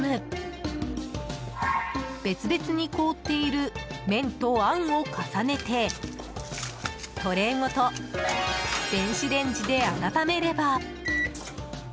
別々に凍っている麺とあんを重ねてトレーごと電子レンジで温めれば。